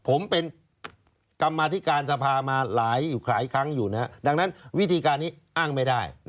ผมเป็นกรรมาติการสภามาหลายครั้งดังนั้นวิธีการนี้อ้างไม่ได้